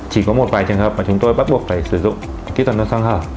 chỉ có một vài trường hợp mà chúng tôi bắt buộc phải sử dụng kỹ thuật nâng xoang hở